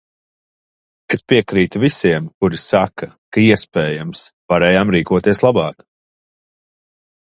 Es piekrītu visiem, kas saka, ka, iespējams, varējām rīkoties labāk.